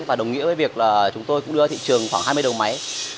và đồng nghĩa với việc là chúng tôi cũng đưa ra thị trường khoảng hai mươi đầu máy